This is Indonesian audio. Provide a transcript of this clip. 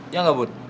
ya gak bud